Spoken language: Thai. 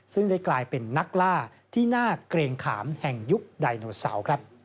ซึ่งได้กลายเป็นนักล่าที่น่าเกรงขามแห่งยุคไดโนเสาร์